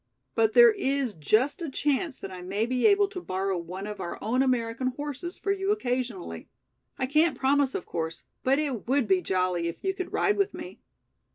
But there is just a chance that I may be able to borrow one of our own American horses for you occasionally. I can't promise of course, but it would be jolly if you could ride with me."